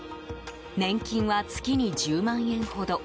年金は月に１０万円ほど。